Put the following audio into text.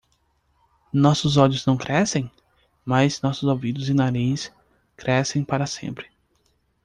Nossos olhos não crescem?, mas nossos ouvidos e nariz crescem para sempre.